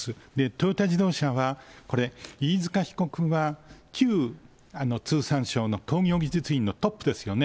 トヨタ自動車は、これ、飯塚被告は旧通産省の工業技術院のトップですよね。